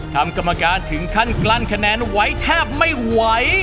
กรรมการถึงขั้นกลั้นคะแนนไว้แทบไม่ไหว